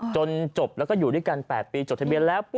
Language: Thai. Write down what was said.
จนจบแล้วก็อยู่ด้วยกัน๘ปีจดทะเบียนแล้ว